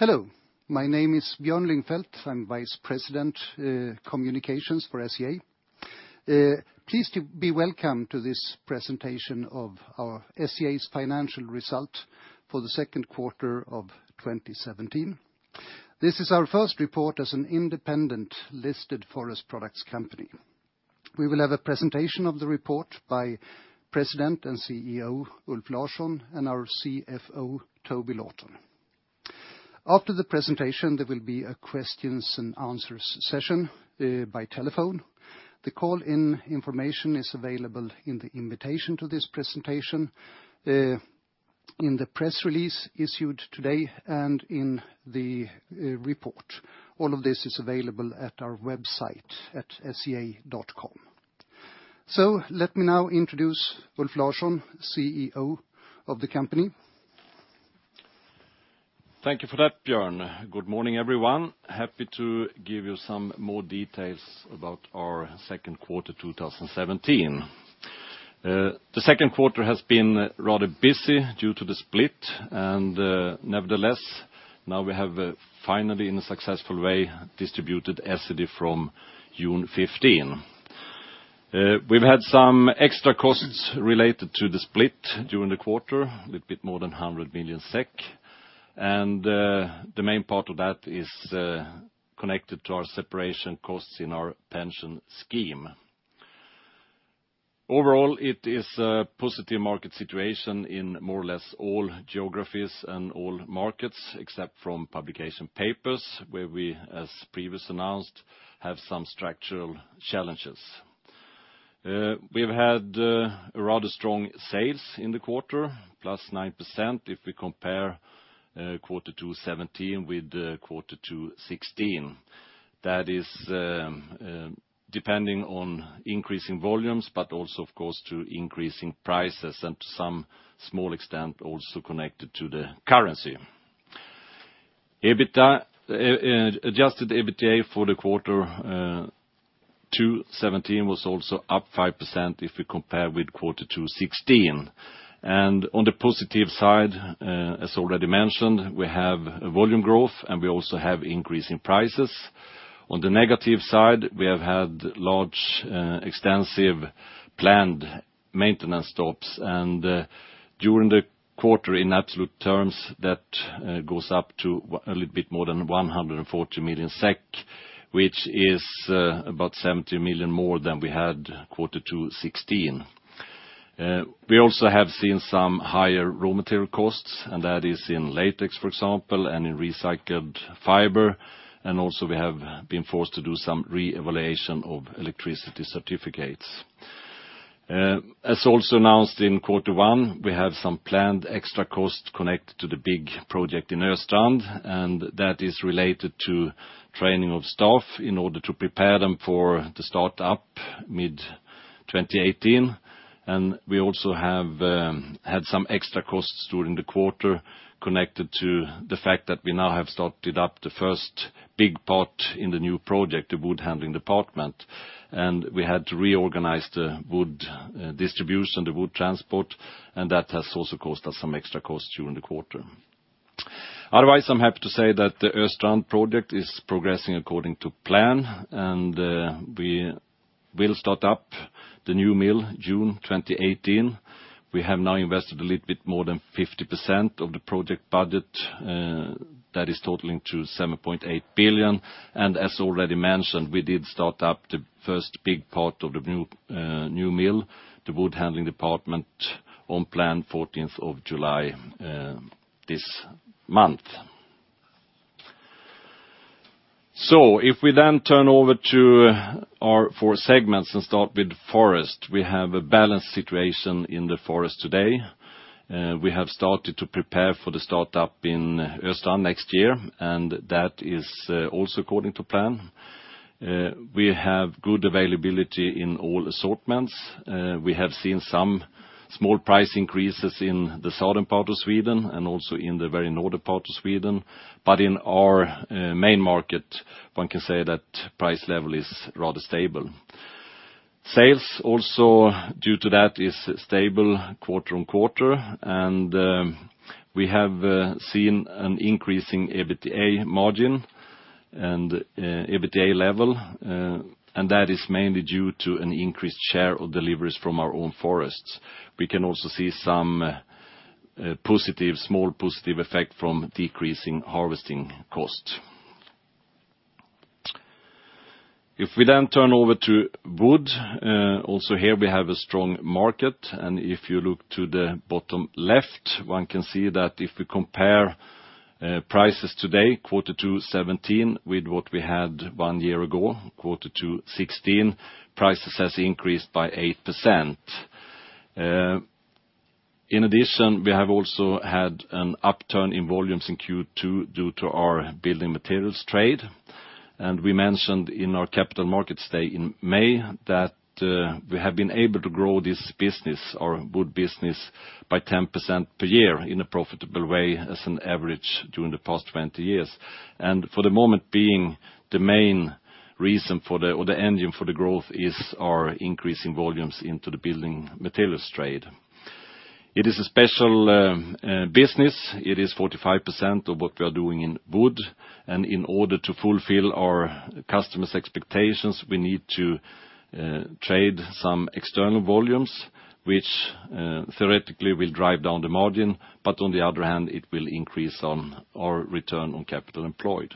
Hello. My name is Björn Lind. I'm Vice President, Communications for SCA. Please welcome to this presentation of our SCA's financial result for the second quarter of 2017. This is our first report as an independent listed forest products company. We will have a presentation of the report by President and CEO Ulf Larsson, and our CFO Toby Lawton. After the presentation, there will be a questions and answers session by telephone. The call-in information is available in the invitation to this presentation, in the press release issued today, and in the report. All of this is available at our website at sca.com. Let me now introduce Ulf Larsson, CEO of the company. Thank you for that, Björn. Good morning, everyone. Happy to give you some more details about our second quarter 2017. The second quarter has been rather busy due to the split. Nevertheless, now we have finally, in a successful way, distributed Essity from June 15. We've had some extra costs related to the split during the quarter, a little bit more than 100 million SEK, and the main part of that is connected to our separation costs in our pension scheme. Overall, it is a positive market situation in more or less all geographies and all markets, except from publication papers, where we, as previously announced, have some structural challenges. We've had rather strong sales in the quarter, +9% if we compare Q2 2017 with Q2 2016. That is depending on increasing volumes, but also, of course, to increasing prices, and to some small extent, also connected to the currency. Adjusted EBITDA for Q2 2017 was also up +5% if we compare with Q2 2016. On the positive side, as already mentioned, we have volume growth, and we also have increase in prices. On the negative side, we have had large, extensive planned maintenance stops, and during the quarter, in absolute terms, that goes up to a little bit more than 140 million SEK, which is about 70 million more than we had Q2 2016. We also have seen some higher raw material costs, and that is in latex, for example, and in recycled fiber, and also we have been forced to do some reevaluation of electricity certificates. As also announced in Q1, we have some planned extra costs connected to the big project in Östrand, and that is related to training of staff in order to prepare them for the start up mid 2018. We also have had some extra costs during the quarter connected to the fact that we now have started up the first big part in the new project, the wood handling department. We had to reorganize the wood distribution, the wood transport, and that has also caused us some extra costs during the quarter. Otherwise, I'm happy to say that the Östrand project is progressing according to plan, and we will start up the new mill June 2018. We have now invested a little bit more than 50% of the project budget that is totaling to 7.8 billion. As already mentioned, we did start up the first big part of the new mill, the wood handling department, on plan 14th of July this month. If we turn over to our four segments and start with forest, we have a balanced situation in the forest today. We have started to prepare for the start-up in Östrand next year, and that is also according to plan. We have good availability in all assortments. We have seen some small price increases in the southern part of Sweden and also in the very northern part of Sweden. In our main market, one can say that price level is rather stable. Sales also, due to that, is stable quarter-on-quarter, and we have seen an increase in EBITDA margin and EBITDA level, and that is mainly due to an increased share of deliveries from our own forests. We can also see some small positive effect from decreasing harvesting costs. If we turn over to wood, also here we have a strong market, and if you look to the bottom left, one can see that if we compare prices today, Q2 2017, with what we had one year ago, Q2 2016, prices has increased by 8%. In addition, we have also had an upturn in volumes in Q2 due to our building materials trade. We mentioned in our Capital Markets Day in May that we have been able to grow this business, our wood business, by 10% per year in a profitable way as an average during the past 20 years. For the moment being, the main reason or the engine for the growth is our increasing volumes into the building materials trade. It is a special business. It is 45% of what we are doing in wood. In order to fulfill our customers' expectations, we need to trade some external volumes, which theoretically will drive down the margin. On the other hand, it will increase on our return on capital employed.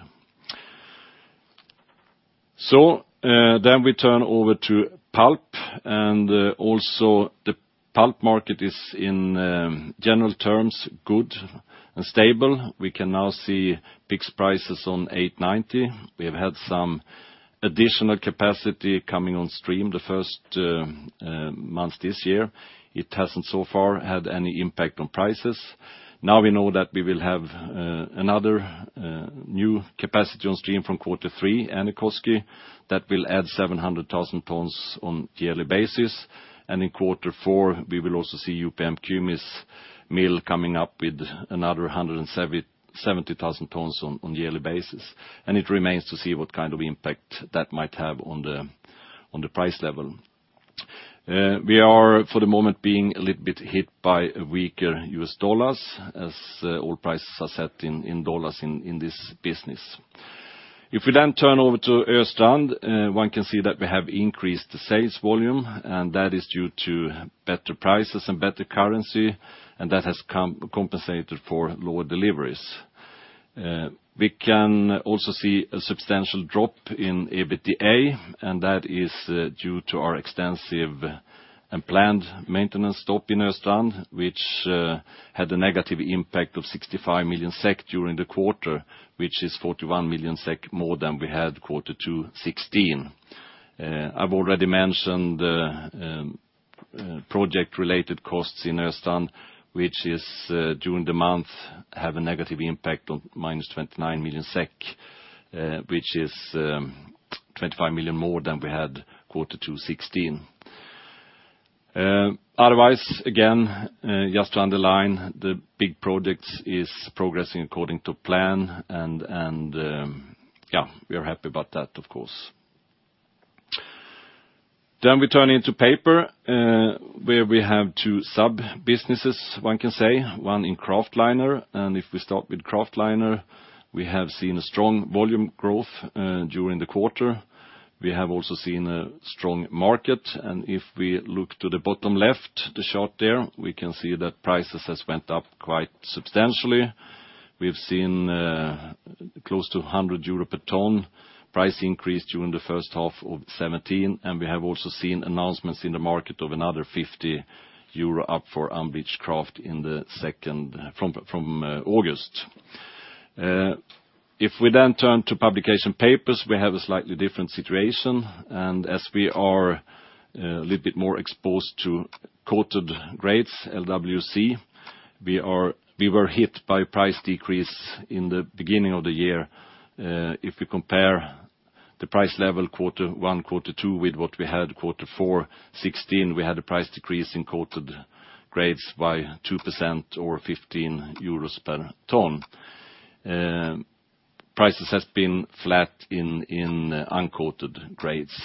We turn over to pulp, and also the pulp market is, in general terms, good and stable. We can now see fixed prices on $890. We have had some additional capacity coming on stream the first months this year. It hasn't so far had any impact on prices. We know that we will have another new capacity on stream from quarter three, Äänekoski, that will add 700,000 tons on a yearly basis. In quarter four, we will also see UPM-Kymmene's mill coming up with another 170,000 tons on a yearly basis. It remains to see what kind of impact that might have on the price level. We are, for the moment, being a little bit hit by a weaker U.S. dollar, as all prices are set in dollars in this business. If we turn over to Östrand, one can see that we have increased the sales volume, and that is due to better prices and better currency, and that has compensated for lower deliveries. We can also see a substantial drop in EBITDA, and that is due to our extensive and planned maintenance stop in Östrand, which had a negative impact of 65 million SEK during the quarter, which is 41 million SEK more than we had Q2 2016. I've already mentioned project-related costs in Östrand, which during the month, have a negative impact of -29 million SEK, which is 25 million more than we had Q2 2016. Otherwise, again, just to underline, the big project is progressing according to plan, and we are happy about that, of course. We turn into paper, where we have two sub-businesses, one can say. One in kraftliner, and if we start with kraftliner, we have seen a strong volume growth during the quarter. We have also seen a strong market, and if we look to the bottom left, the chart there, we can see that prices have went up quite substantially. We have seen close to 100 euro per ton price increase during the first half of 2017, and we have also seen announcements in the market of another 50 euro up for unbleached kraft from August. We turn to publication papers, we have a slightly different situation. As we are a little bit more exposed to coated grades, LWC, we were hit by a price decrease in the beginning of the year. If we compare the price level Q1, Q2 with what we had Q4 2016, we had a price decrease in coated grades by 2% or 15 euros per ton. Prices have been flat in uncoated grades.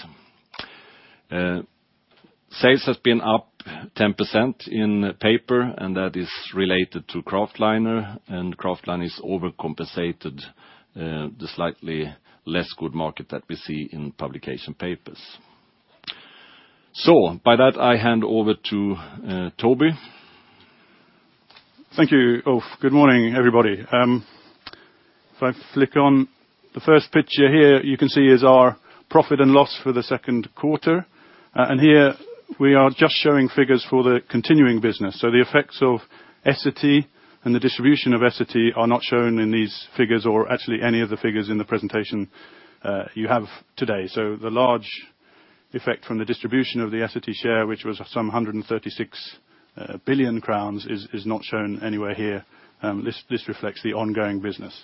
Sales have been up 10% in paper, and that is related to kraftliner, and kraftliner has overcompensated the slightly less good market that we see in publication papers. By that, I hand over to Toby. Thank you, Ulf. Good morning, everybody. If I flick on the first picture here, you can see is our profit and loss for the Q2. Here we are just showing figures for the continuing business. The effects of Essity and the distribution of Essity are not shown in these figures, or actually any of the figures in the presentation you have today. The large effect from the distribution of the Essity share, which was some 136 billion crowns, is not shown anywhere here. This reflects the ongoing business.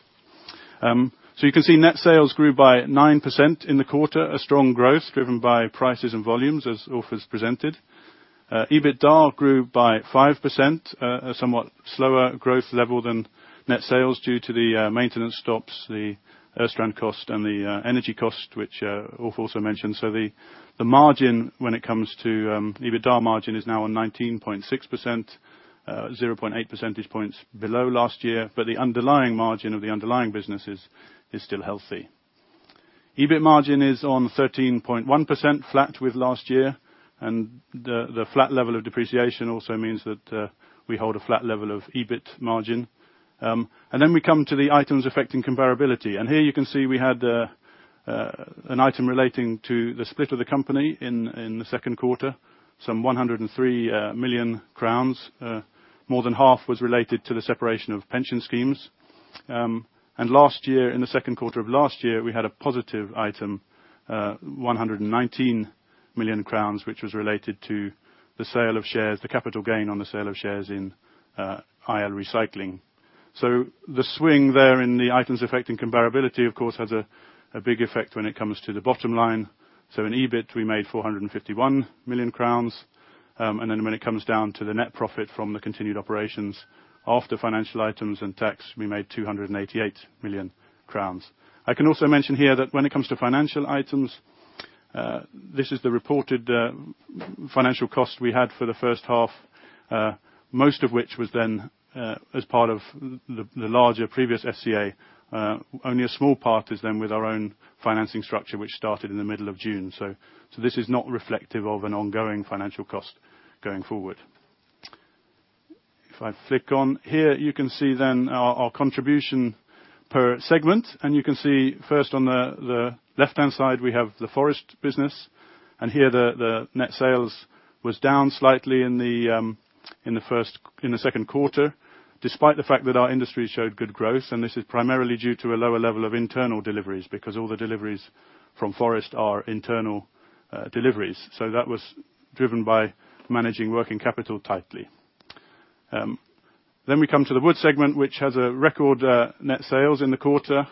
You can see net sales grew by 9% in the quarter, a strong growth driven by prices and volumes, as Ulf has presented. EBITDA grew by 5%, a somewhat slower growth level than net sales due to the maintenance stops, the Östrand cost, and the energy cost, which Ulf also mentioned. The margin when it comes to EBITDA margin is now on 19.6%, 0.8 percentage points below last year, but the underlying margin of the underlying business is still healthy. EBIT margin is on 13.1%, flat with last year, and the flat level of depreciation also means that we hold a flat level of EBIT margin. We come to the items affecting comparability. Here you can see we had an item relating to the split of the company in the Q2, some 103 million crowns. More than half was related to the separation of pension schemes. In the Q2 of last year, we had a positive item, 119 million crowns, which was related to the capital gain on the sale of shares in IL Recycling. The swing there in the items affecting comparability, of course, has a big effect when it comes to the bottom line. In EBIT, we made 451 million crowns. When it comes down to the net profit from the continued operations, after financial items and tax, we made 288 million crowns. I can also mention here that when it comes to financial items. This is the reported financial cost we had for the first half, most of which was then as part of the larger previous SCA. Only a small part is then with our own financing structure, which started in the middle of June. This is not reflective of an ongoing financial cost going forward. If I flick on here, you can see then our contribution per segment. You can see first on the left-hand side, we have the forest business. Here the net sales was down slightly in the second quarter, despite the fact that our industry showed good growth, and this is primarily due to a lower level of internal deliveries, because all the deliveries from forest are internal deliveries. That was driven by managing working capital tightly. We come to the wood segment, which has a record net sales in the quarter,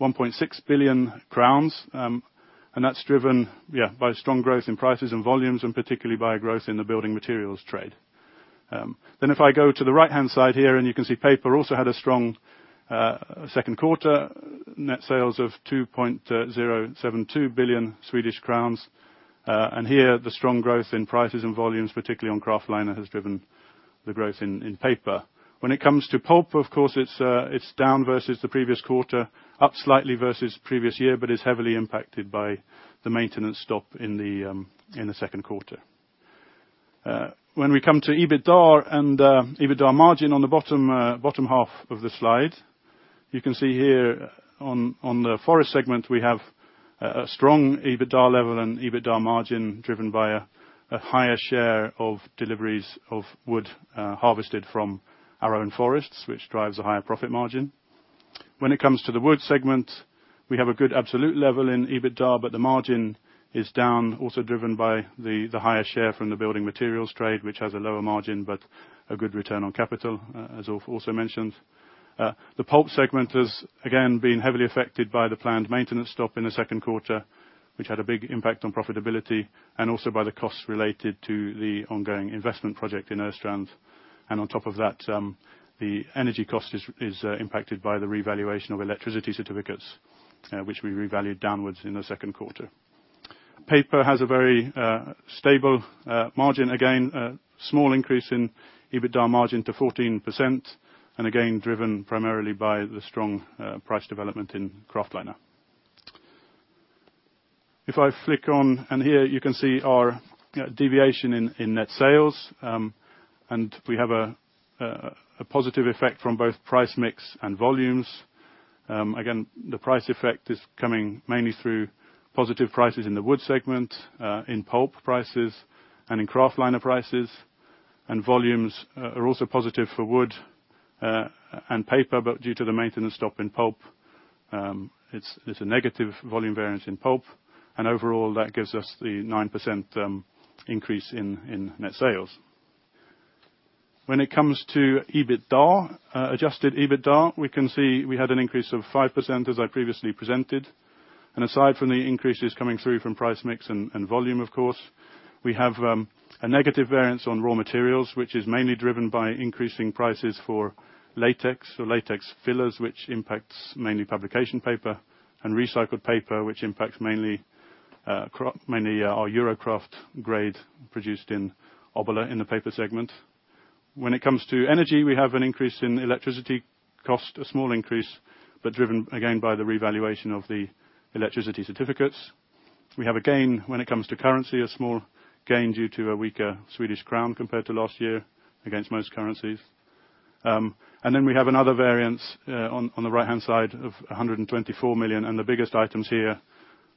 1.6 billion crowns. That is driven by strong growth in prices and volumes, and particularly by growth in the building materials trade. If I go to the right-hand side here, you can see paper also had a strong second quarter net sales of 2.072 billion Swedish crowns. Here, the strong growth in prices and volumes, particularly on kraftliner, has driven the growth in paper. When it comes to pulp, of course, it is down versus the previous quarter, up slightly versus previous year, but is heavily impacted by the maintenance stop in the second quarter. When we come to EBITDA and EBITDA margin on the bottom half of the slide, you can see here on the forest segment, we have a strong EBITDA level and EBITDA margin driven by a higher share of deliveries of wood harvested from our own forests, which drives a higher profit margin. When it comes to the wood segment, we have a good absolute level in EBITDA, but the margin is down, also driven by the higher share from the building materials trade, which has a lower margin, but a good return on capital, as Ulf also mentioned. The pulp segment has, again, been heavily affected by the planned maintenance stop in the second quarter, which had a big impact on profitability, and also by the costs related to the ongoing investment project in Östrand. On top of that, the energy cost is impacted by the revaluation of electricity certificates, which we revalued downwards in the second quarter. Paper has a very stable margin. A small increase in EBITDA margin to 14%, driven primarily by the strong price development in kraftliner. If I flick on, you can see our deviation in net sales, we have a positive effect from both price mix and volumes. The price effect is coming mainly through positive prices in the wood segment, in pulp prices, and in kraftliner prices, volumes are also positive for wood and paper, due to the maintenance stop in pulp, it's a negative volume variance in pulp. Overall, that gives us the 9% increase in net sales. When it comes to adjusted EBITDA, we can see we had an increase of 5% as I previously presented. Aside from the increases coming through from price mix and volume, of course, we have a negative variance on raw materials, which is mainly driven by increasing prices for latex or latex fillers, which impacts mainly publication paper and recycled paper, which impacts mainly our SCA Eurokraft grade produced in Obbola in the paper segment. When it comes to energy, we have an increase in electricity cost, a small increase, driven, again, by the revaluation of the electricity certificates. We have a gain when it comes to currency, a small gain due to a weaker Swedish crown compared to last year against most currencies. We have another variance on the right-hand side of 124 million. The biggest items here,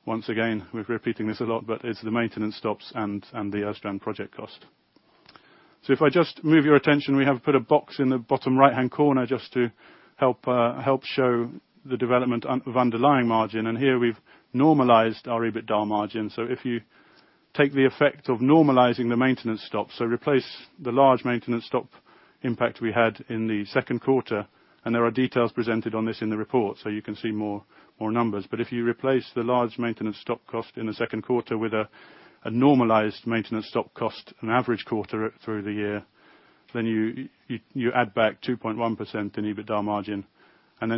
once again, we're repeating this a lot, it's the maintenance stops and the Östrand project cost. If I just move your attention, we have put a box in the bottom right-hand corner just to help show the development of underlying margin. Here we've normalized our EBITDA margin. If you take the effect of normalizing the maintenance stop, replace the large maintenance stop impact we had in the second quarter, there are details presented on this in the report, you can see more numbers. If you replace the large maintenance stop cost in the second quarter with a normalized maintenance stop cost, an average quarter through the year, then you add back 2.1% in EBITDA margin.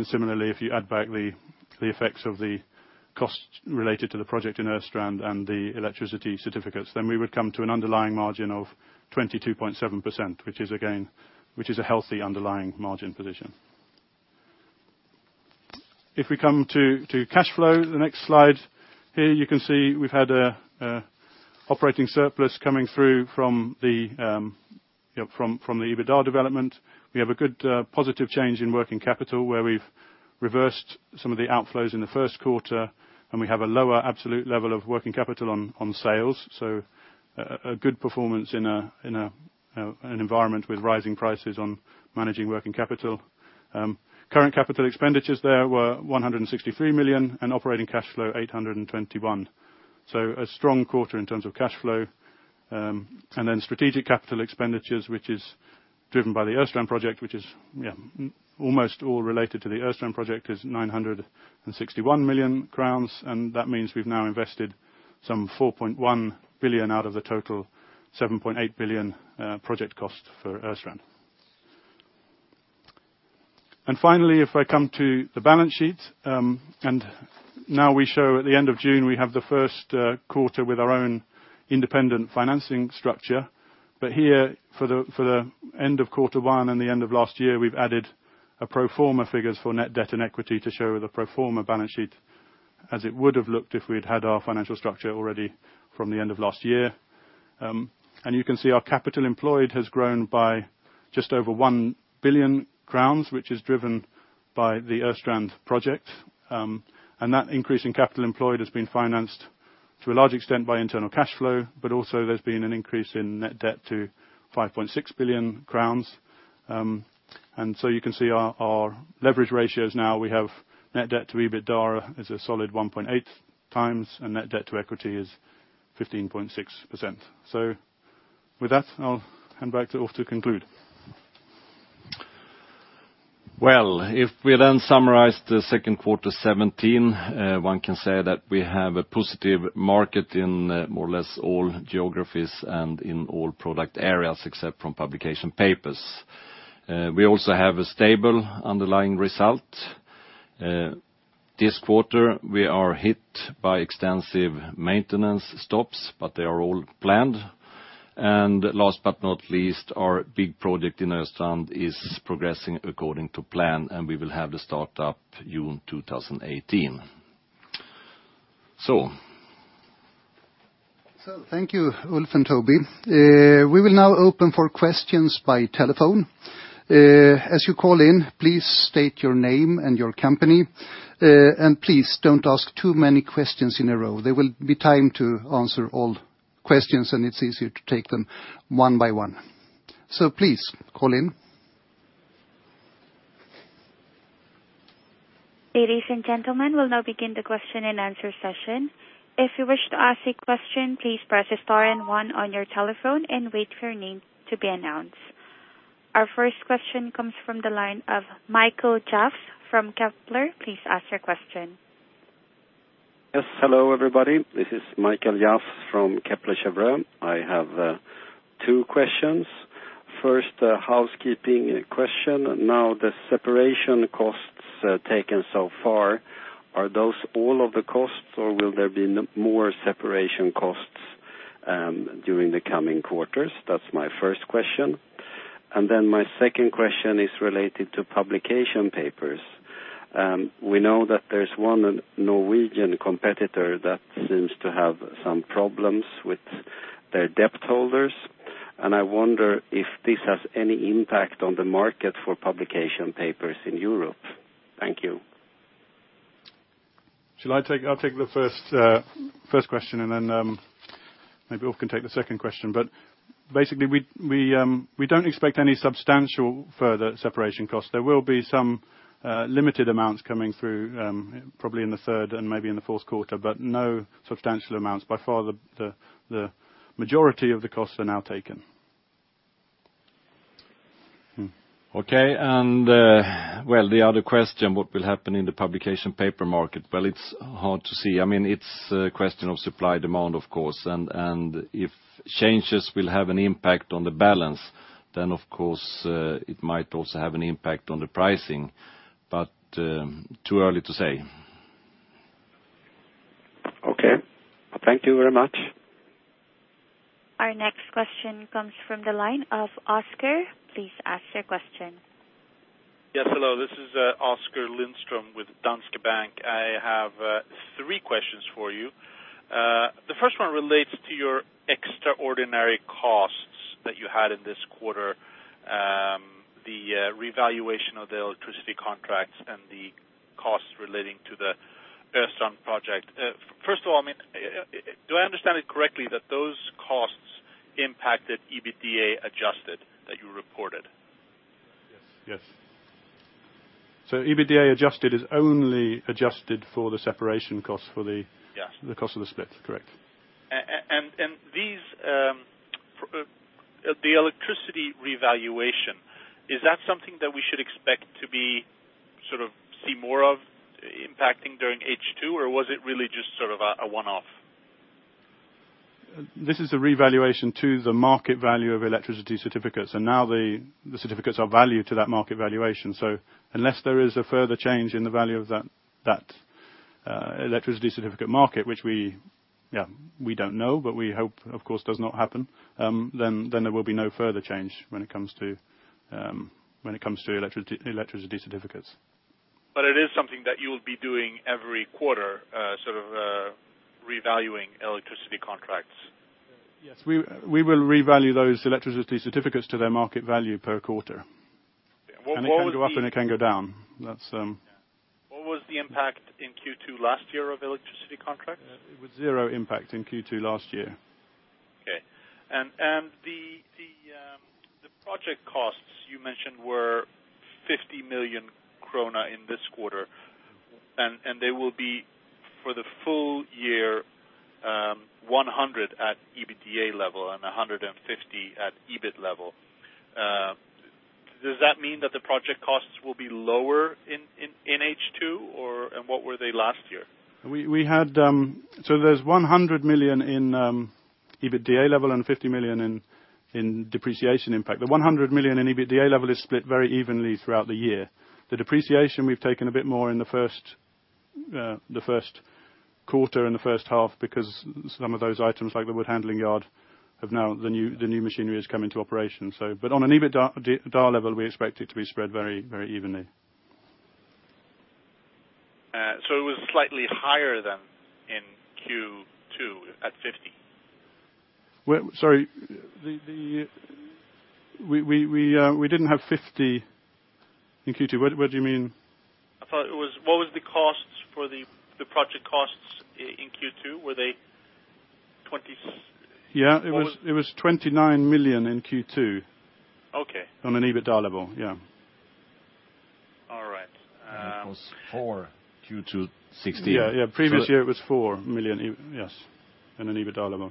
Similarly, if you add back the effects of the cost related to the project in Östrand and the electricity certificates, then we would come to an underlying margin of 22.7%, which is a healthy underlying margin position. If we come to cash flow, the next slide. Here you can see we've had an operating surplus coming through from the EBITDA development. We have a good positive change in working capital where we've reversed some of the outflows in the first quarter, we have a lower absolute level of working capital on sales. A good performance in an environment with rising prices on managing working capital. Current capital expenditures there were 163 million and operating cash flow 821 million. A strong quarter in terms of cash flow. Strategic capital expenditures, which is driven by the Östrand project, which is almost all related to the Östrand project, is 961 million crowns, that means we've now invested some 4.1 billion out of the total 7.8 billion project cost for Östrand. Finally, if I come to the balance sheet, now we show at the end of June, we have the first quarter with our own independent financing structure. Here, for the end of quarter one and the end of last year, we've added a pro forma figures for net debt and equity to show the pro forma balance sheet as it would have looked if we'd had our financial structure already from the end of last year. You can see our capital employed has grown by just over 1 billion crowns, which is driven by the Östrand project. That increase in capital employed has been financed to a large extent by internal cash flow, but also there's been an increase in net debt to 5.6 billion crowns. You can see our leverage ratios now we have net debt to EBITDA is a solid 1.8 times, and net debt to equity is 15.6%. With that, I'll hand back to Ulf to conclude. If we summarize the second quarter 2017, one can say that we have a positive market in more or less all geographies and in all product areas, except from publication papers. We also have a stable underlying result. This quarter, we are hit by extensive maintenance stops, but they are all planned. Last but not least, our big project in Östrand is progressing according to plan, and we will have the start-up June 2018. Thank you, Ulf and Toby. We will now open for questions by telephone. As you call in, please state your name and your company. Please don't ask too many questions in a row. There will be time to answer all questions, and it's easier to take them one by one. Please, call in. Ladies and gentlemen, we'll now begin the question and answer session. If you wish to ask a question, please press star and one on your telephone and wait for your name to be announced. Our first question comes from the line of Mikael Jafs from Kepler. Please ask your question. Yes. Hello, everybody. This is Mikael Jafs from Kepler Cheuvreux. I have two questions. First, a housekeeping question. The separation costs taken so far, are those all of the costs, or will there be more separation costs during the coming quarters? That's my first question. My second question is related to publication papers. We know that there's one Norwegian competitor that seems to have some problems with their debt holders, and I wonder if this has any impact on the market for publication papers in Europe. Thank you. I'll take the first question. Maybe Ulf can take the second question. We don't expect any substantial further separation cost. There will be some limited amounts coming through, probably in the third and maybe in the fourth quarter, no substantial amounts. By far, the majority of the costs are now taken. Okay. Well, the other question, what will happen in the publication paper market? Well, it's hard to see. It's a question of supply, demand, of course. If changes will have an impact on the balance, of course, it might also have an impact on the pricing. Too early to say. Okay. Thank you very much. Our next question comes from the line of Oskar. Please ask your question. Yes. Hello. This is Oskar Lindström with Danske Bank. I have three questions for you. The first one relates to your extraordinary costs that you had in this quarter, the revaluation of the electricity contracts and the costs relating to the Östrand project. First of all, do I understand it correctly that those costs impacted EBITDA adjusted that you reported? Yes. EBITDA adjusted is only adjusted for the separation cost for the Yeah the cost of the split. Correct. The electricity revaluation, is that something that we should expect to see more of impacting during H2, or was it really just sort of a one-off? This is a revaluation to the market value of electricity certificates, now the certificates are valued to that market valuation. Unless there is a further change in the value of that electricity certificate market, which we don't know, but we hope, of course, does not happen, there will be no further change when it comes to electricity certificates. It is something that you will be doing every quarter, sort of a revaluing electricity contracts. Yes. We will revalue those electricity certificates to their market value per quarter. Yeah. What was. It can go up, and it can go down. That's. Yeah. What was the impact in Q2 last year of electricity contracts? It was zero impact in Q2 last year. Okay. The project costs you mentioned were 50 million krona in this quarter, and they will be for the full year, 100 million at EBITDA level and 150 million at EBIT level. Does that mean that the project costs will be lower in H2, and what were they last year? There's 100 million in EBITDA level and 50 million in depreciation impact. The 100 million in EBITDA level is split very evenly throughout the year. The depreciation, we've taken a bit more in the first quarter and the first half, because some of those items, like the wood handling yard, the new machinery has come into operation. On an EBITDA level, we expect it to be spread very evenly. It was slightly higher than in Q2 at 50 million? Sorry. We didn't have 50 million in Q2. What do you mean? I thought it was, what was the project costs in Q2? Were they 20? Yeah. It was 29 million in Q2. Okay. On an EBITDA level, yeah. All right. It was four, Q2 2016. Yeah. Previous year it was 4 million. Yes. On an EBITDA level.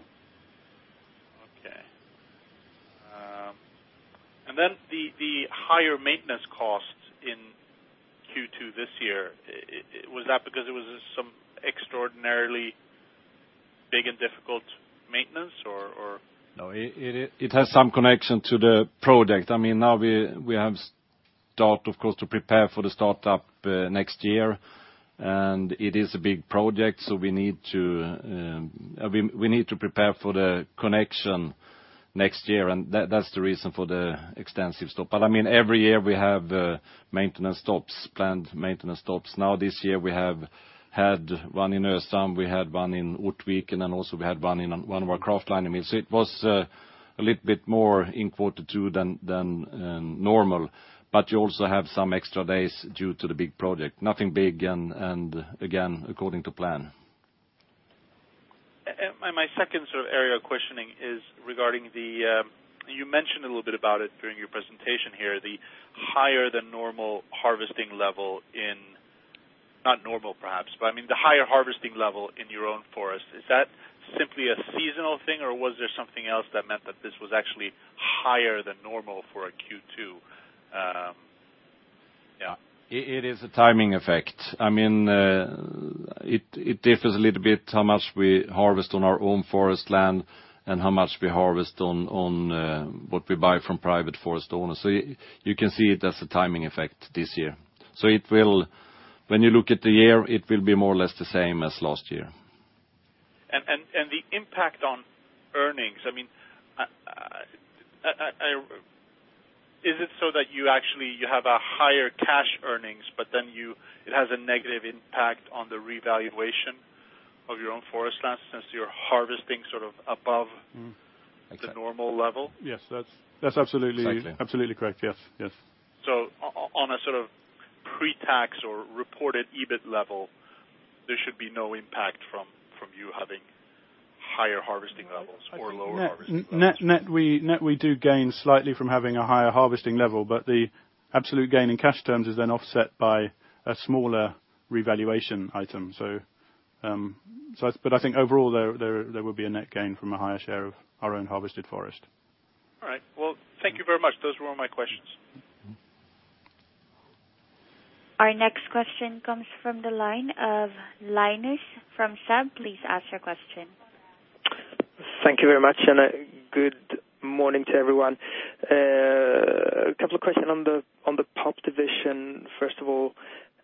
Okay. Then the higher maintenance costs in Q2 this year, was that because it was some extraordinarily big and difficult maintenance or? No, it has some connection to the project. Now we have start, of course, to prepare for the startup next year, it is a big project, we need to prepare for the connection next year, that's the reason for the extensive stop. Every year we have maintenance stops, planned maintenance stops. Now this year we have had one in Örnsköldsvik, we had one in Ortviken, then also we had one in one of our kraftliner mill. It was a little bit more in quarter two than normal, but you also have some extra days due to the big project. Nothing big and again, according to plan. My second area of questioning is regarding the, you mentioned a little bit about it during your presentation here, the higher than normal harvesting level in, not normal perhaps, but the higher harvesting level in your own forest. Is that simply a seasonal thing, or was there something else that meant that this was actually higher than normal for a Q2? Yeah. It is a timing effect. It differs a little bit how much we harvest on our own forest land and how much we harvest on what we buy from private forest owners. You can see it as a timing effect this year. When you look at the year, it will be more or less the same as last year. The impact on earnings, is it so that you actually have a higher cash earnings, but then it has a negative impact on the revaluation of your own forest land since you're harvesting above the normal level? Yes, that's absolutely correct. Yes. On a sort of pre-tax or reported EBIT level, there should be no impact from you having higher harvesting levels or lower harvesting levels. Net, we do gain slightly from having a higher harvesting level, but the absolute gain in cash terms is then offset by a smaller revaluation item. I think overall there will be a net gain from a higher share of our own harvested forest. All right. Well, thank you very much. Those were all my questions. Our next question comes from the line of Linus from SEB. Please ask your question. Thank you very much, good morning to everyone. A couple of questions on the pulp division. First of all,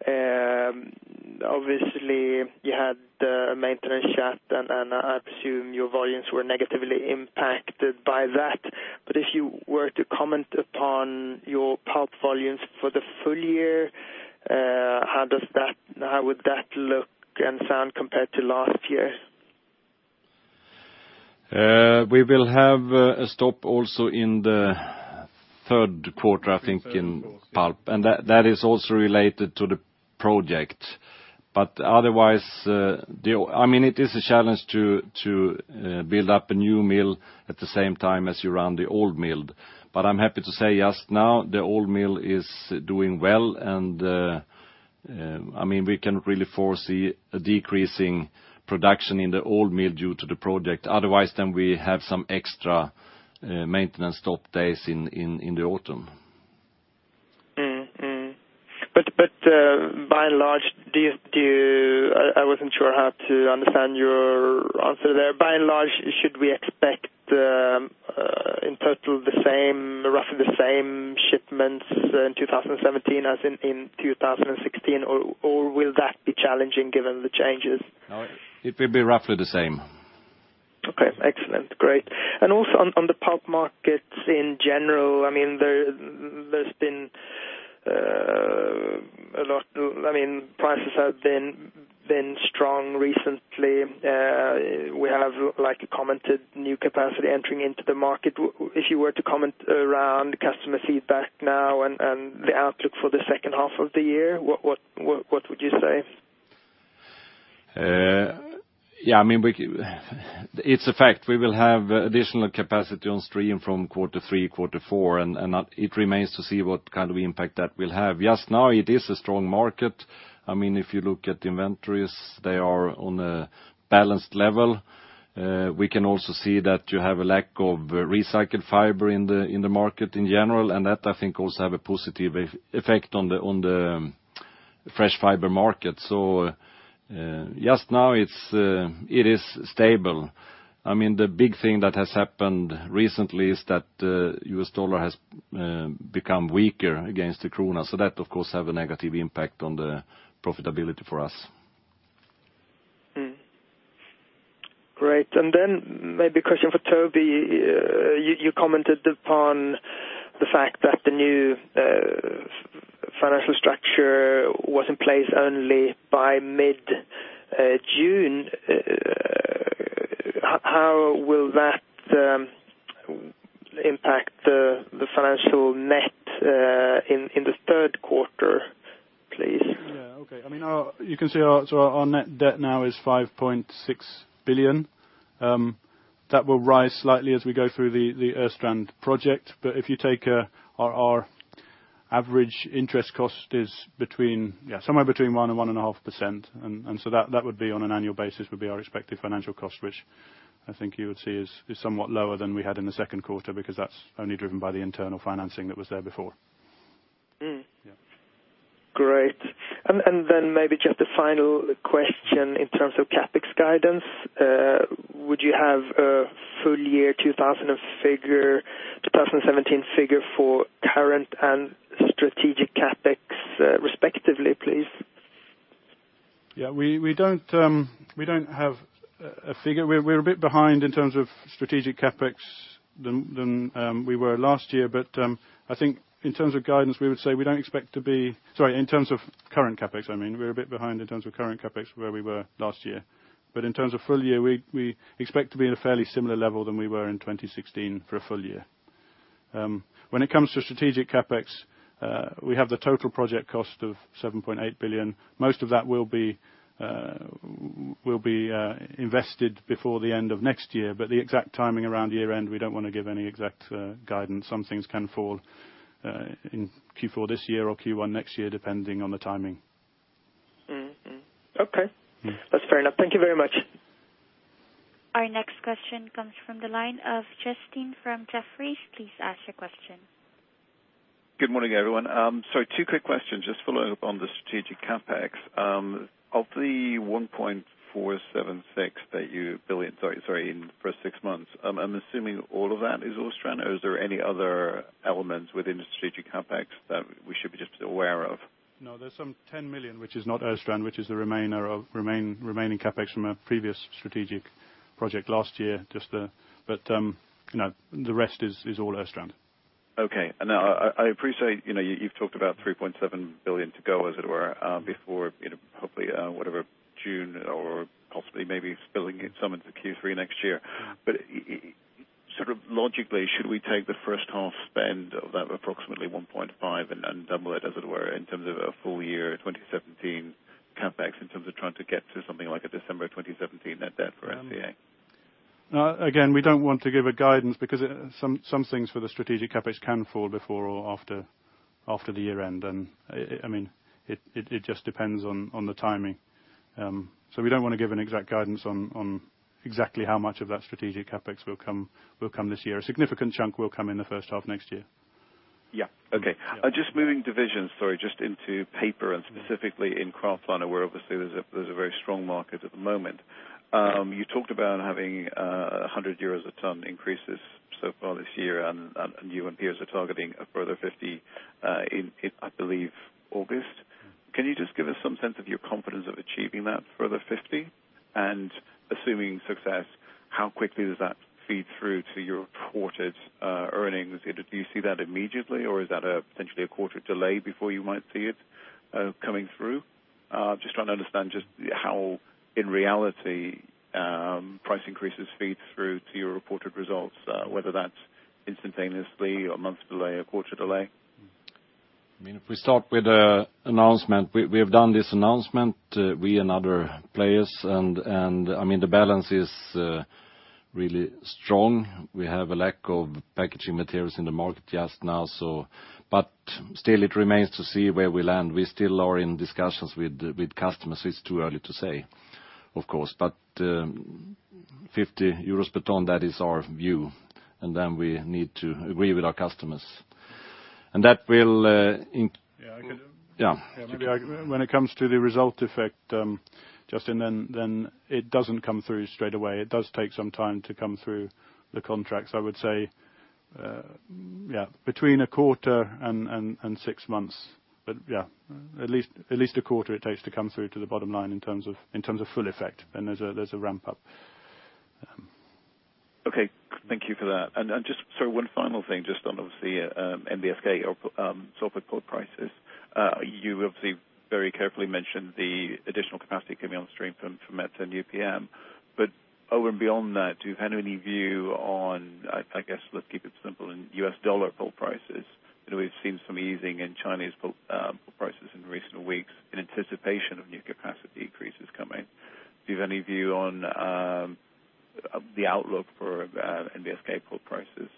obviously you had a maintenance shut down, and I assume your volumes were negatively impacted by that. If you were to comment upon your pulp volumes for the full year, how would that look and sound compared to last year? We will have a stop also in the third quarter, I think, in pulp. That is also related to the project. Otherwise, it is a challenge to build up a new mill at the same time as you run the old mill. I'm happy to say as of now the old mill is doing well, and we can't really foresee a decrease in production in the old mill due to the project. Otherwise, then we have some extra maintenance stop days in the autumn. By and large, I wasn't sure how to understand your answer there. By and large, should we expect in total roughly the same shipments in 2017 as in 2016, or will that be challenging given the changes? No. It will be roughly the same. Okay. Excellent, great. Also on the pulp markets in general, prices have been strong recently. We have, like you commented, new capacity entering into the market. If you were to comment around customer feedback now and the outlook for the second half of the year, what would you say? Yeah. It's a fact we will have additional capacity on stream from quarter three, quarter four. It remains to see what kind of impact that will have. Just now it is a strong market. If you look at inventories, they are on a balanced level. We can also see that you have a lack of recycled fiber in the market in general, that I think also have a positive effect on the fresh fiber market. Just now it is stable. The big thing that has happened recently is that U.S. dollar has become weaker against the krona. That, of course, have a negative impact on the profitability for us. Great. Maybe a question for Toby. You commented upon the fact that the new financial structure was in place only by mid June. How will that impact the financial net in the third quarter, please? Yeah. Okay. You can see our net debt now is 5.6 billion. That will rise slightly as we go through the Östrand project. If you take our average interest cost is somewhere between 1% and 1.5%. That would be on an annual basis, would be our expected financial cost, which I think you would see is somewhat lower than we had in the second quarter because that's only driven by the internal financing that was there before. Yeah. Great. Maybe just a final question in terms of CapEx guidance. Would you have a full year 2017 figure for current and strategic CapEx respectively, please? Yeah, we don't have a figure. We're a bit behind in terms of strategic CapEx than we were last year. I think in terms of guidance, we would say we don't expect to be Sorry, in terms of current CapEx, I mean. We're a bit behind in terms of current CapEx where we were last year. In terms of full year, we expect to be at a fairly similar level than we were in 2016 for a full year. When it comes to strategic CapEx, we have the total project cost of 7.8 billion. Most of that will be invested before the end of next year. The exact timing around year end, we don't want to give any exact guidance. Some things can fall in Q4 this year or Q1 next year, depending on the timing. Mm. Okay. That's fair enough. Thank you very much. Our next question comes from the line of Justin from Jefferies. Please ask your question. Good morning, everyone. Sorry, two quick questions. Just following up on the strategic CapEx. Of the 1.476 billion in the first six months, I'm assuming all of that is Ostrand. Is there any other elements within the strategic CapEx that we should just be aware of? No, there's some 10 million, which is not Ostrand, which is the remaining CapEx from a previous strategic project last year. The rest is all Ostrand. Okay. I appreciate you've talked about 3.7 billion to go, as it were, before probably whatever June or possibly maybe spilling some into Q3 next year. Logically, should we take the first half spend of that approximately 1.5 and double it, as it were, in terms of a full year 2017 CapEx, in terms of trying to get to something like a December 2017 net debt for SCA? Again, we don't want to give a guidance because some things for the strategic CapEx can fall before or after the year end. It just depends on the timing. We don't want to give an exact guidance on exactly how much of that strategic CapEx will come this year. A significant chunk will come in the first half next year. Yeah. Okay. Just moving divisions, sorry, just into paper and specifically in kraftliner, where obviously there's a very strong market at the moment. You talked about having 100 euros a ton increases so far this year, and you and peers are targeting a further 50 in, I believe, August. Can you just give us some sense of your confidence of achieving that further 50? Assuming success, how quickly does that feed through to your reported earnings? Do you see that immediately, or is that potentially a quarter delay before you might see it coming through? Just trying to understand just how, in reality, price increases feed through to your reported results, whether that's instantaneously or a month delay, a quarter delay. If we start with the announcement, we have done this announcement, we and other players, and the balance is really strong. We have a lack of packaging materials in the market just now. Still, it remains to see where we land. We still are in discussions with customers. It's too early to say, of course. 50 euros per ton, that is our view, and then we need to agree with our customers. That will- When it comes to the result effect, Justin, then it doesn't come through straight away. It does take some time to come through the contracts. I would say between a quarter and six months. Yeah, at least a quarter it takes to come through to the bottom line in terms of full effect, and there's a ramp up. Okay. Thank you for that. Just, sorry, one final thing, just on, obviously, NBSK, pulp prices. You obviously very carefully mentioned the additional capacity coming on stream from Metsä and UPM. Over and beyond that, do you have any view on, I guess let's keep it simple, in US dollar pulp prices? We've seen some easing in Chinese pulp prices in recent weeks in anticipation of new capacity increases coming. Do you have any view on The outlook for NBSK pulp prices.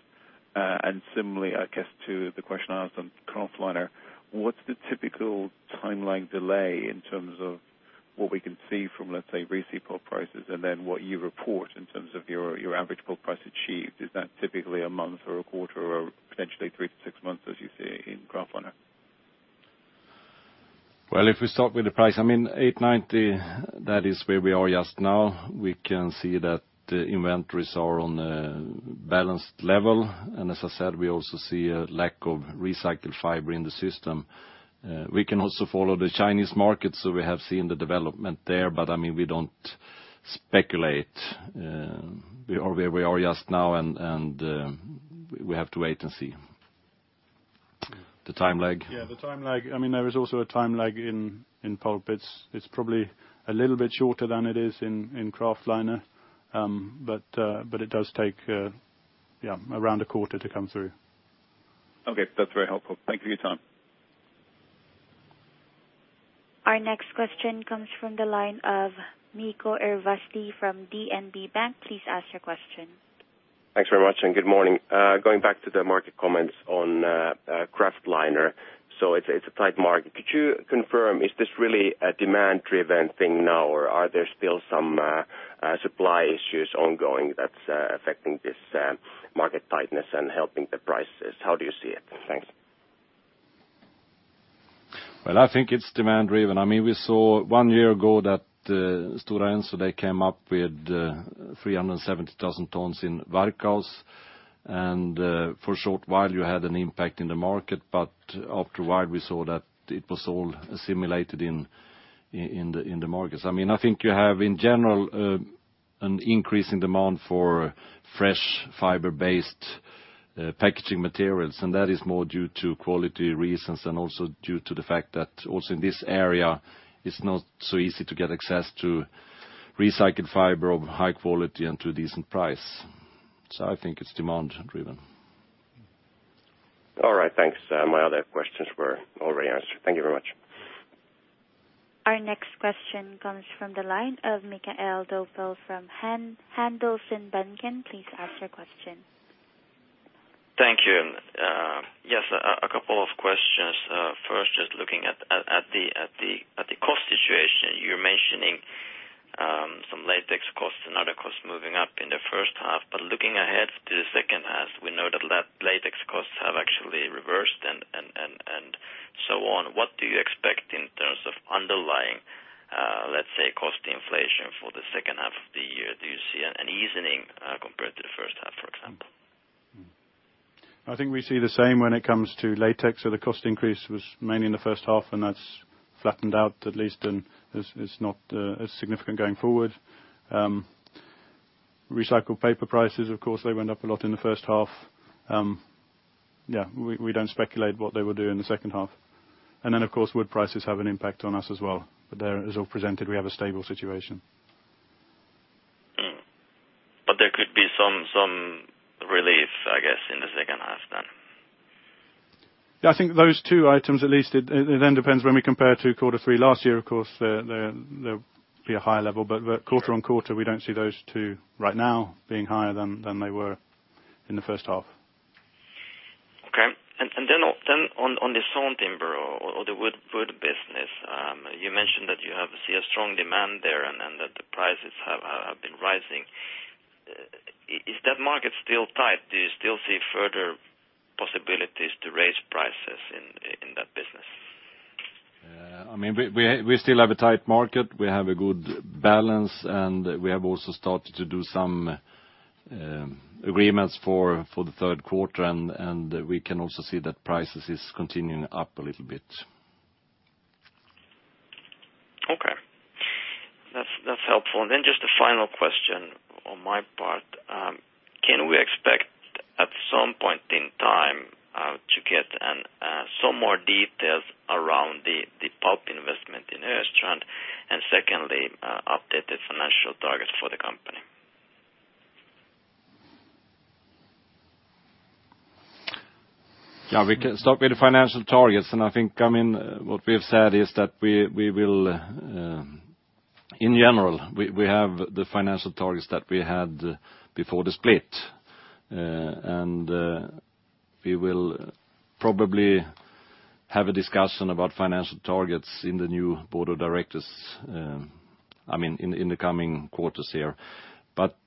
Similarly, I guess to the question I asked on kraftliner, what's the typical timeline delay in terms of what we can see from, let's say, received pulp prices, and then what you report in terms of your average pulp price achieved? Is that typically a month or a quarter or potentially three to six months as you say in kraftliner? Well, if we start with the price, 890, that is where we are just now. We can see that the inventories are on a balanced level. As I said, we also see a lack of recycled fiber in the system. We can also follow the Chinese market. We have seen the development there. We don't speculate. We are where we are just now, and we have to wait and see. The time lag? Yeah, the time lag. There is also a time lag in pulp. It's probably a little bit shorter than it is in kraftliner, but it does take around a quarter to come through. Okay. That's very helpful. Thank you for your time. Our next question comes from the line of Mikko Ervasti from DNB Bank. Please ask your question. Thanks very much, and good morning. Going back to the market comments on kraftliner, it's a tight market. Could you confirm, is this really a demand-driven thing now, or are there still some supply issues ongoing that's affecting this market tightness and helping the prices? How do you see it? Thanks. Well, I think it's demand-driven. We saw one year ago that Stora Enso, they came up with 370,000 tons in Varkaus. For a short while you had an impact in the market, but after a while we saw that it was all assimilated in the markets. I think you have, in general, an increase in demand for fresh fiber-based packaging materials, and that is more due to quality reasons and also due to the fact that also in this area, it's not so easy to get access to recycled fiber of high quality and to a decent price. I think it's demand-driven. All right. Thanks. My other questions were already answered. Thank you very much. Our next question comes from the line of Mikael Döpfel from Handelsbanken. Please ask your question. Thank you. Yes, a couple of questions. First, just looking at the cost situation. You're mentioning some latex costs and other costs moving up in the first half. Looking ahead to the second half, we know that latex costs have actually reversed and so on. What do you expect in terms of underlying, let's say, cost inflation for the second half of the year? Do you see an easing compared to the first half, for example? I think we see the same when it comes to latex, so the cost increase was mainly in the first half, and that's flattened out at least, and it's not as significant going forward. Recycled paper prices, of course, they went up a lot in the first half. We don't speculate what they will do in the second half. Of course, wood prices have an impact on us as well. There, as Ulf presented, we have a stable situation. There could be some relief, I guess, in the second half then? I think those two items, at least, it then depends when we compare to quarter three last year, of course, there'll be a higher level. Quarter on quarter, we don't see those two right now being higher than they were in the first half. Okay. On the sawn timber or the wood business, you mentioned that you have seen a strong demand there and that the prices have been rising. Is that market still tight? Do you still see further possibilities to raise prices in that business? We still have a tight market. We have a good balance, we have also started to do some agreements for the third quarter, we can also see that prices are continuing up a little bit. Okay. That's helpful. Just a final question on my part. Can we expect at some point in time, to get some more details around the pulp investment in Östrand, secondly, updated financial targets for the company? Yeah, we can start with the financial targets, I think what we have said is that In general, we have the financial targets that we had before the split. We will probably have a discussion about financial targets in the new board of directors in the coming quarters here.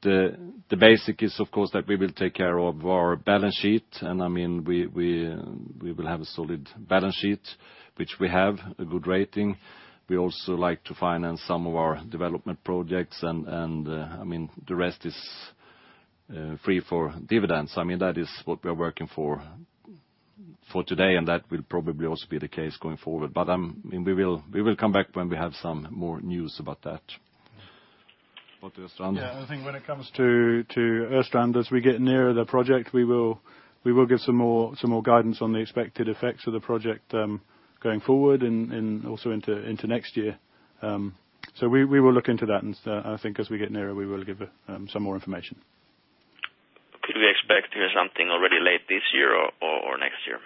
The basic is, of course, that we will take care of our balance sheet, we will have a solid balance sheet, which we have a good rating. We also like to finance some of our development projects, the rest is free for dividends. That is what we are working for today, that will probably also be the case going forward. We will come back when we have some more news about that. What the Östrand? Yeah, I think when it comes to Östrand, as we get nearer the project, we will give some more guidance on the expected effects of the project, going forward and also into next year. We will look into that, and I think as we get nearer, we will give some more information Next year?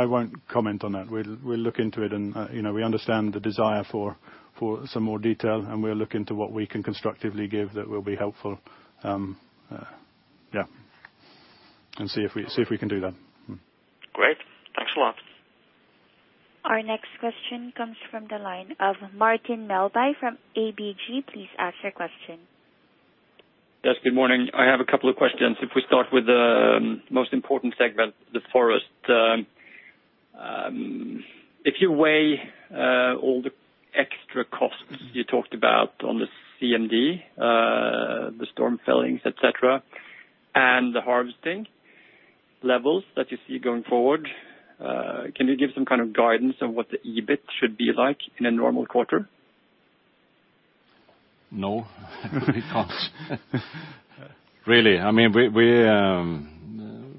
I won't comment on that. We'll look into it, and we understand the desire for some more detail, and we'll look into what we can constructively give that will be helpful. Yeah. See if we can do that. Great. Thanks a lot. Our next question comes from the line of Martin Melbye from ABG. Please ask your question. Yes, good morning. I have a couple of questions. If we start with the most important segment, the forest. If you weigh all the extra costs you talked about on the CMD, the storm fellings, et cetera, and the harvesting levels that you see going forward, can you give some kind of guidance on what the EBIT should be like in a normal quarter? No, we can't. Really,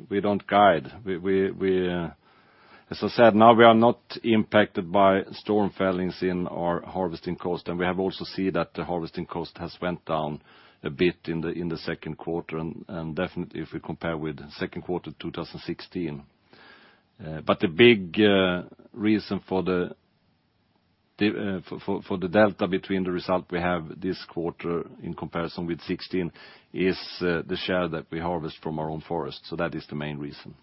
we don't guide. As I said, now we are not impacted by storm fellings in our harvesting cost, and we have also seen that the harvesting cost has went down a bit in the second quarter, and definitely if we compare with second quarter 2016. The big reason for the delta between the result we have this quarter in comparison with 2016 is the share that we harvest from our own forest. That is the main reason.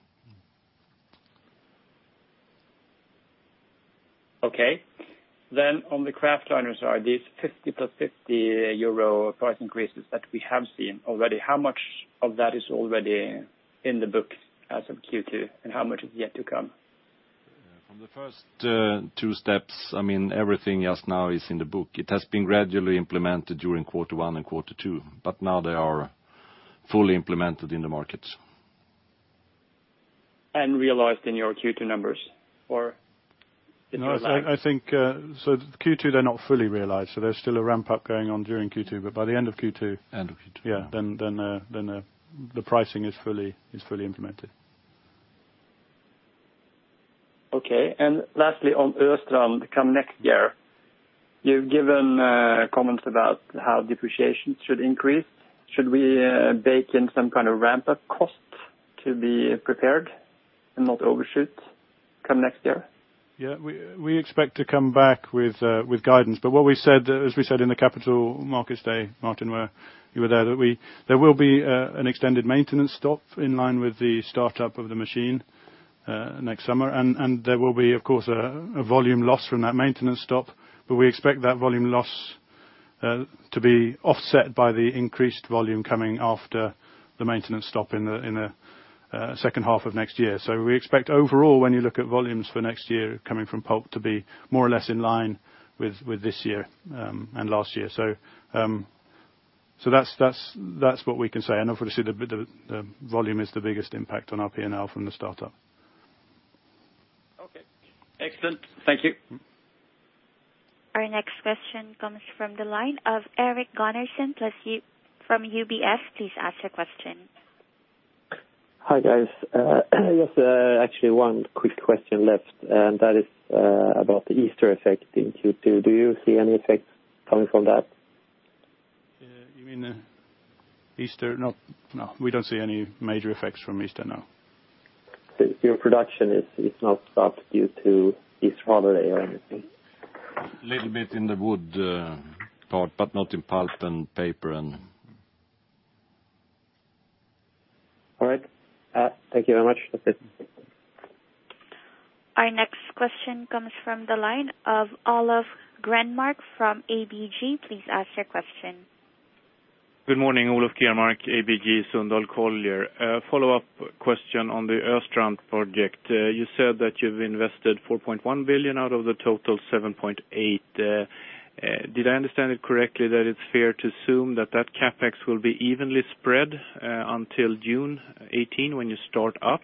Okay. On the kraftliner side, these 50 plus 50 euro price increases that we have seen already, how much of that is already in the book as of Q2, and how much is yet to come? From the first two steps, everything as of now is in the book. It has been gradually implemented during quarter one and quarter two, now they are fully implemented in the market. Realized in your Q2 numbers, or is it? No, I think Q2, they're not fully realized, there's still a ramp-up going on during Q2, by the end of Q2. End of Q2. Yeah, the pricing is fully implemented. Okay. Lastly, on Östrand come next year, you've given comments about how depreciation should increase. Should we bake in some kind of ramp-up cost to be prepared and not overshoot come next year? Yeah, we expect to come back with guidance. What we said, as we said in the Capital Markets Day, Martin, where you were there, that there will be an extended maintenance stop in line with the startup of the machine, next summer. There will be, of course, a volume loss from that maintenance stop, but we expect that volume loss to be offset by the increased volume coming after the maintenance stop in the second half of next year. We expect overall, when you look at volumes for next year, coming from pulp to be more or less in line with this year, and last year. That's what we can say. Obviously, the volume is the biggest impact on our P&L from the startup. Okay. Excellent. Thank you. Our next question comes from the line of Eric Gunnarson from UBS. Please ask your question. Hi, guys. Just actually one quick question left. That is about the Easter effect in Q2. Do you see any effects coming from that? You mean Easter? We don't see any major effects from Easter, no. Your production is not stopped due to Easter holiday or anything? Little bit in the wood part, but not in pulp and paper and All right. Thank you very much. That's it. Our next question comes from the line of Olof Grenmark from ABG. Please ask your question. Good morning, Olof Grenmark, ABG Sundal Collier. A follow-up question on the Östrand project. You said that you've invested 4.1 billion out of the total 7.8 billion. Did I understand it correctly that it's fair to assume that that CapEx will be evenly spread until June 2018 when you start up?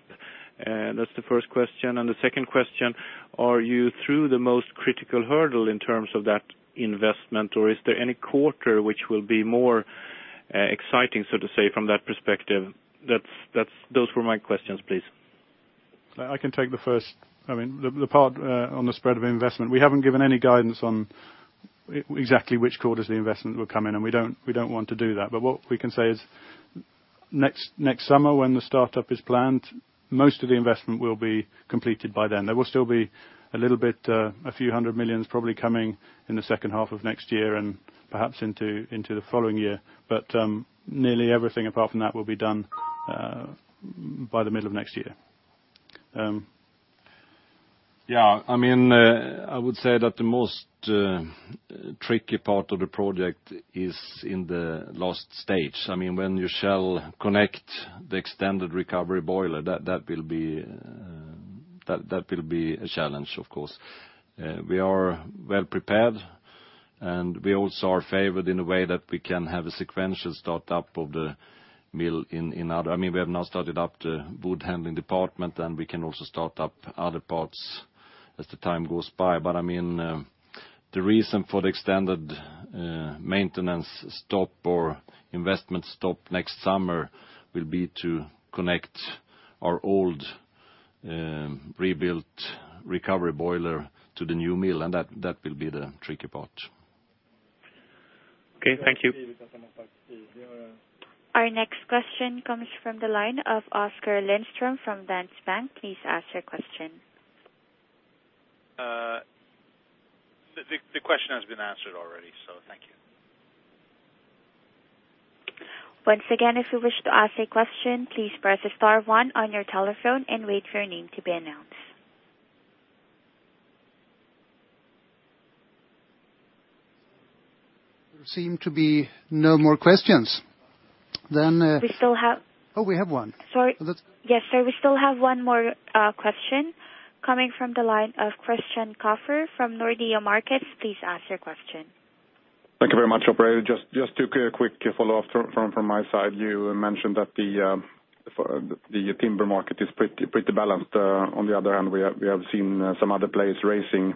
That's the first question. The second question, are you through the most critical hurdle in terms of that investment, or is there any quarter which will be more exciting, so to say, from that perspective? Those were my questions, please. I can take the first. The part on the spread of investment. We haven't given any guidance on exactly which quarters the investment will come in, and we don't want to do that. What we can say is next summer when the startup is planned, most of the investment will be completed by then. There will still be a little bit, a few hundred million SEK probably coming in the second half of next year and perhaps into the following year. Nearly everything apart from that will be done by the middle of next year. Yeah. I would say that the most tricky part of the project is in the last stage. When you shall connect the extended recovery boiler, that will be a challenge of course. We are well prepared, and we also are favored in a way that we can have a sequential startup of the mill. We have now started up the wood handling department, and we can also start up other parts as the time goes by. The reason for the extended maintenance stop or investment stop next summer will be to connect our old rebuilt recovery boiler to the new mill, and that will be the tricky part. Okay, thank you. Our next question comes from the line of Oskar Lindström from Danske Bank. Please ask your question. The question has been answered already, so thank you. Once again, if you wish to ask a question, please press star one on your telephone and wait for your name to be announced. There seem to be no more questions. We still have. Oh, we have one. Sorry. Yes, sir. We still have one more question coming from the line of Christoffer Jansell from Nordea Markets. Please ask your question. Thank you very much, operator. Just a quick follow-up from my side. You mentioned that the timber market is pretty balanced. On the other hand, we have seen some other players raising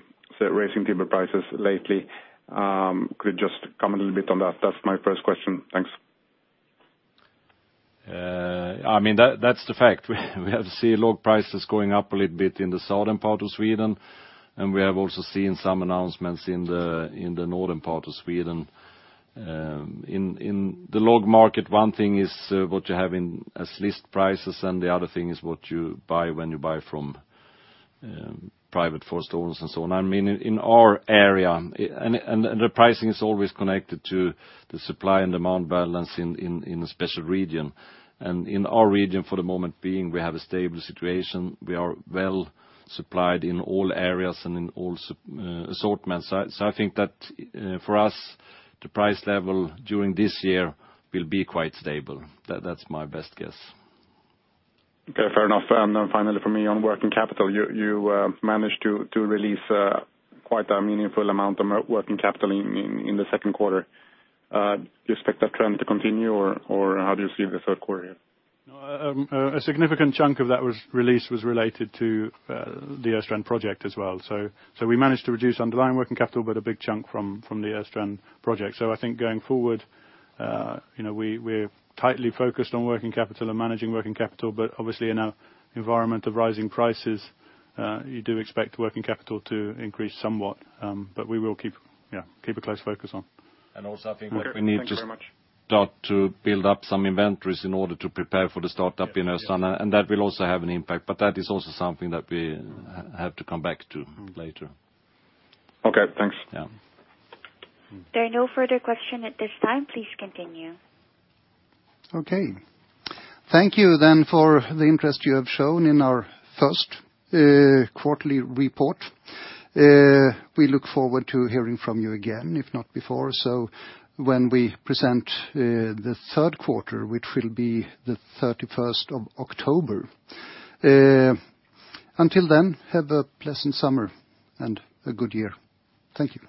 timber prices lately. Could you just comment a little bit on that? That's my first question. Thanks. That's the fact. We have seen log prices going up a little bit in the southern part of Sweden, and we have also seen some announcements in the northern part of Sweden. In the log market, one thing is what you have as list prices, and the other thing is what you buy when you buy from private forest owners and so on. In our area, the pricing is always connected to the supply and demand balance in a special region. In our region, for the moment being, we have a stable situation. We are well-supplied in all areas and in all assortments. I think that for us, the price level during this year will be quite stable. That's my best guess. Okay, fair enough. Finally from me on working capital. You managed to release quite a meaningful amount of working capital in the second quarter. Do you expect that trend to continue, or how do you see the third quarter here? A significant chunk of that release was related to the Östrand project as well. We managed to reduce underlying working capital, but a big chunk from the Östrand project. I think going forward, we're tightly focused on working capital and managing working capital, but obviously in an environment of rising prices, you do expect working capital to increase somewhat. We will keep a close focus on. Also, I think we need to. Okay, thank you very much. start to build up some inventories in order to prepare for the startup in Ostrand, and that will also have an impact, but that is also something that we have to come back to later. Okay, thanks. Yeah. There are no further question at this time. Please continue. Okay. Thank you then for the interest you have shown in our first quarterly report. We look forward to hearing from you again, if not before, so when we present the third quarter, which will be the 31st of October. Until then, have a pleasant summer and a good year. Thank you.